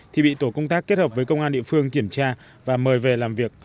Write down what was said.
thì bị tổ công tác kết hợp với công an địa phương kiểm tra và mời về làm việc